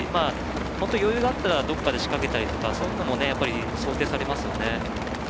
本当、余裕があったらどこかで仕掛けたりというのも想定されますよね。